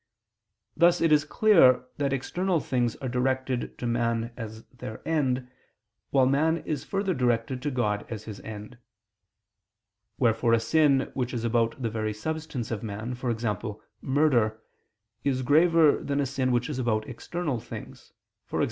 Thus it is clear that external things are directed to man as their end, while man is further directed to God as his end. Wherefore a sin which is about the very substance of man, e.g. murder, is graver than a sin which is about external things, e.g.